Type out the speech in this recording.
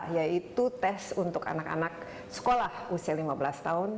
yaitu tes untuk anak anak sekolah usia lima belas tahun